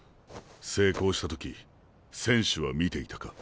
成功した時選手は見ていたか？